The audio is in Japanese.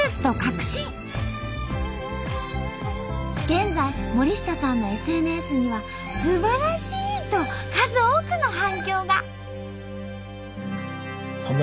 現在森下さんのＳＮＳには「すばらしい！」と数多くの反響が！